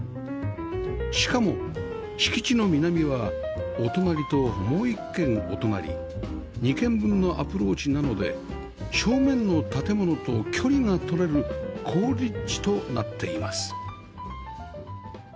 しかも敷地の南はお隣ともう１軒お隣２軒分のアプローチなので正面の建物と距離が取れる好立地となっています